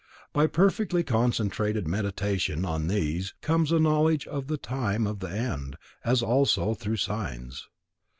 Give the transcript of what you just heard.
By perfectly concentrated Meditation on these comes a knowledge of the time of the end, as also through signs.